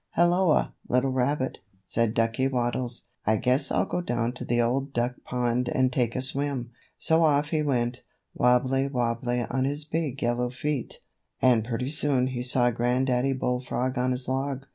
"HELLOA, little rabbit," said Ducky Waddles. "I guess I'll go down to the Old Duck Pond and take a swim." So off he went, wabbly, wabbly, on his big yellow feet, and pretty soon he saw Granddaddy Bullfrog on his log.